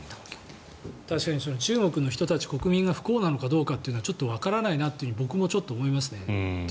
確かに中国の人たち国民が不幸なのかどうかというのはちょっとわからないなと僕も思いますね。